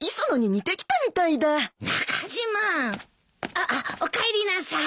あっおかえりなさい。